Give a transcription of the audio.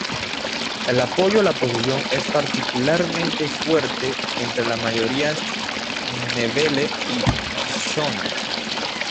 El apoyo a la oposición es particularmente fuerte entre las mayorías ndebele y shona.